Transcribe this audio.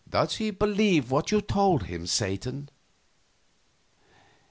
"Does he believe what you told him, Satan?"